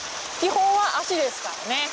基本は足ですからね。